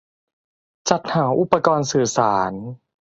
-จัดหาอุปกรณ์สื่อสาร